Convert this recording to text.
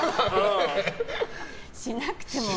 しなくても。